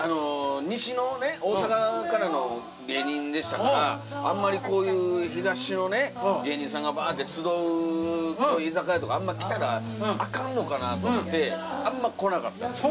西のね大阪からの芸人でしたからあんまりこういう東の芸人さんがバーッて集うこういう居酒屋とかあんまり来たらアカンのかなってあんま来なかったんです。